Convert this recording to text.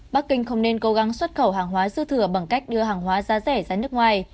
bắc kinh không nên cố gắng xuất khẩu hàng hóa dư thừa bằng cách đưa hàng hóa giá rẻ ra nước ngoài